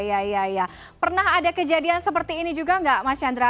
iya iya pernah ada kejadian seperti ini juga nggak mas chandra